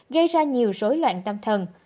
gây ra nhiều rối loạn tâm thần